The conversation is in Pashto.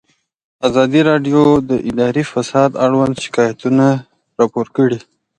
ازادي راډیو د اداري فساد اړوند شکایتونه راپور کړي.